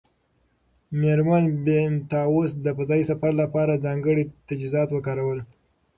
مېرمن بینتهاوس د فضایي سفر لپاره ځانګړي تجهیزات وکارول.